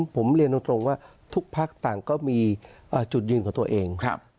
ผมเรียนตรงว่าทุกพักต่างก็มีจุดยืนของตัวเอง